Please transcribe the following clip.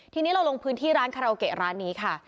ทีนี้เราลงพื้นที่ร้านคาราโอเกะร้านนี้ค่ะ